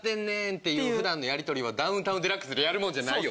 っていう普段のやり取りは『ダウンタウンＤＸ』でやるもんじゃないよ。